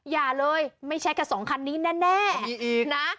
อย่าเลยไม่ใช่แค่สองคันนี้แน่แน่มีอีกนะ